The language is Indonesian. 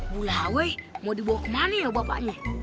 bu lawe mau dibawa kemana ya bapaknya